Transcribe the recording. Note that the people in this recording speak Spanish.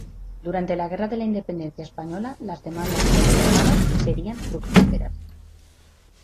Durante la guerra de la independencia española las demandas de los riojanos serían fructíferas.